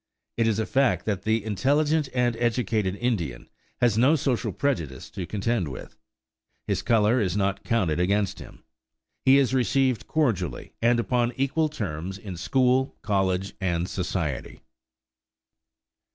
It is a fact that the intelligent and educated Indian has no social prejudice to contend with. His color is not counted against him. He is received cordially and upon equal terms in school, college, and society.